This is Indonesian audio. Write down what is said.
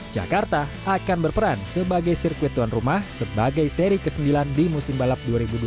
jakarta akan berperan sebagai sirkuit tuan rumah sebagai seri ke sembilan di musim balap dua ribu dua puluh satu dua ribu dua puluh dua